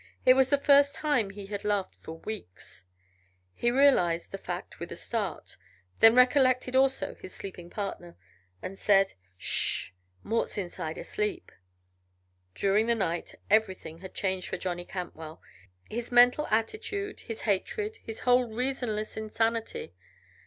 It was the first time he had laughed for weeks. He realized the fact with a start, then recollected also his sleeping partner, and said: "Sh h! Mort's inside, asleep!" During the night everything had changed for Johnny Cantwell; his mental attitude, his hatred, his whole reasonless insanity.